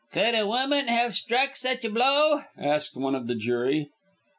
"Could a woman have struck such a blow?" asked one of the jury.